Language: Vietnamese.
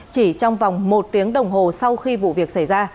chỉ trong vòng một tiếng đồng hồ sau khi vụ việc xảy ra